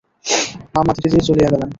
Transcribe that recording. মামা ধীরে ধীরে চলিয়া গেলেন।